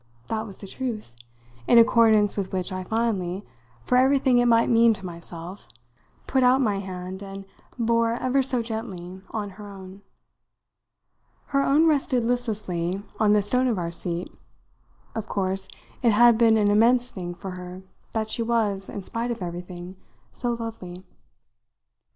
That was the truth; in accordance with which I finally for everything it might mean to myself put out my hand and bore ever so gently on her own. Her own rested listlessly on the stone of our seat. Of course, it had been an immense thing for her that she was, in spite of everything, so lovely.